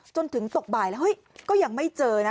จนถึงตกบ่ายแล้วเฮ้ยก็ยังไม่เจอนะ